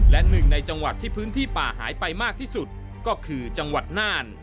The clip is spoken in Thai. และหนึ่งในจังหวัดที่พื้นที่ป่าหายไปมากที่สุดก็คือจังหวัดน่าน